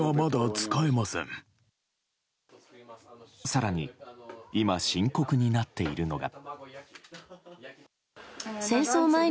更に今、深刻になっているのが。